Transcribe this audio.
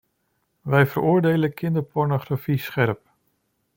Wij veroordelen kinderpornografie scherp.